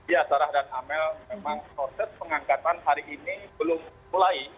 ya sarah dan amel memang proses pengangkatan hari ini belum mulai